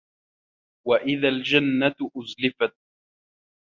وَإِذَا الجَنَّةُ أُزلِفَت